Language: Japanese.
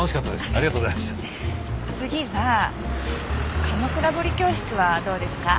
次は鎌倉彫教室はどうですか？